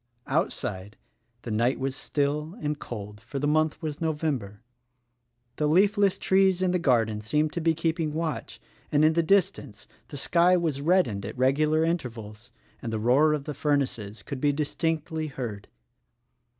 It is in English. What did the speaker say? Outside, the night was still and cold — for the month was November. The leafless trees in the garden seemed to be keeping watch, and in the dis tance the sky was reddened at regular intervals, and the roar of the furnaces could be distinctly heard.